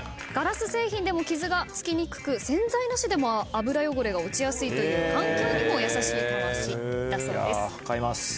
ガラス製品でも傷がつきにくく洗剤なしでも油汚れが落ちやすいという環境にも優しいたわしだそうです。